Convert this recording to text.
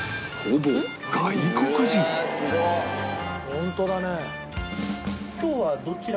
ホントだね。